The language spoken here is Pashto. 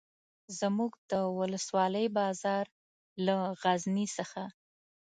زموږ د ولسوالۍ بازار له غزني څخه.